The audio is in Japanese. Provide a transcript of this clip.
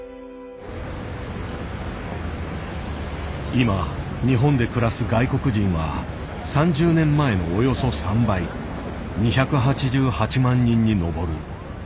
今日本で暮らす外国人は３０年前のおよそ３倍２８８万人にのぼる。